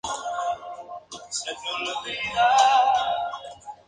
Tiene buena tolerancia a competencia de malezas, no la afecta mucho en el crecimiento.